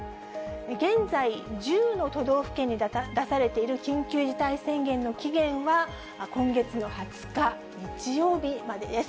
現在１０の都道府県に出されている緊急事態宣言の期限は、今月の２０日日曜日までです。